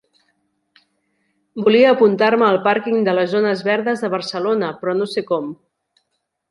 Volia apuntar-me al parking de les zones verdes de Barcelona, però no sé com.